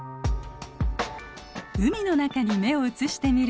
海の中に目を移してみると。